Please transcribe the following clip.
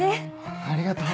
ありがとう。